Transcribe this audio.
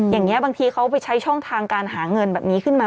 อย่างนี้บางทีเขาไปใช้ช่องทางการหาเงินแบบนี้ขึ้นมา